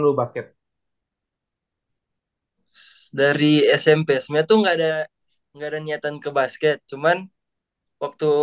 lo basket dari smp sebenernya tuh nggak ada enggak ada niatan ke basket cuman waktu